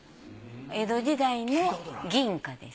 江戸時代の銀貨です。